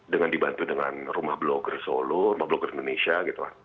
dengan dibantu dengan rumah blokker solo rumah blokker indonesia gitu kan